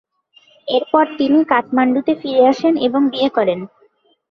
এরপর তিনি কাঠমান্ডুতে ফিরে আসেন এবং বিয়ে করেন।